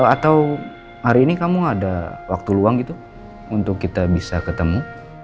atau hari ini kamu ada waktu luang gitu untuk kita bisa ketemu